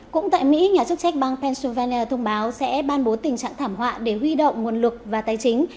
cũng tại mỹ nhà chức trách bang pennsylvania thông báo sẽ ban bố tình trạng thảm họa để huy động nguồn lực và tài chính